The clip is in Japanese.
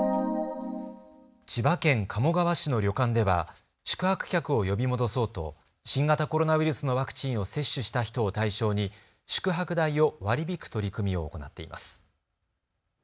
千葉県鴨川市の旅館では宿泊客を呼び戻そうと新型コロナウイルスのワクチンを接種した人を対象に宿泊代を割り引く取り組みを行っています。